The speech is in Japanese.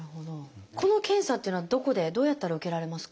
この検査っていうのはどこでどうやったら受けられますか？